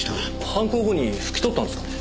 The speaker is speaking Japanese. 犯行後に拭き取ったんですかね？